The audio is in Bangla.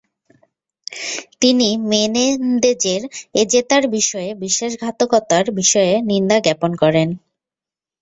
তিনি মেনেন্দেজের এজেতা’র বিষয়ে বিশ্বাসঘাতকতার বিষয়ে নিন্দাজ্ঞাপন করেন।